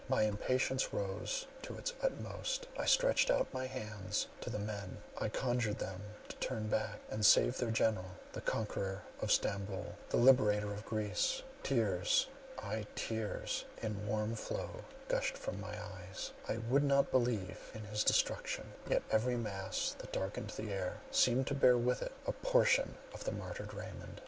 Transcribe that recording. My impatience rose to its utmost; I stretched out my hands to the men; I conjured them to turn back and save their General, the conqueror of Stamboul, the liberator of Greece; tears, aye tears, in warm flow gushed from my eyes—I would not believe in his destruction; yet every mass that darkened the air seemed to bear with it a portion of the martyred Raymond.